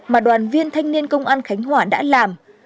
mà đoàn viên thanh niên công an khánh hòa đã làm